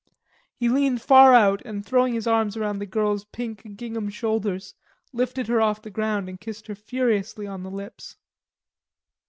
He leaned far out, and, throwing his arms around the girl's pink gingham shoulders, lifted her off the ground and kissed her furiously on the lips.